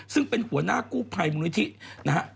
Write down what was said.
ซึ่งเป็นหัวหน้ากู้ภัยมูลนิธินะฮะ